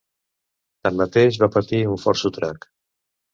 Tanmateix, va patir un fort sotrac.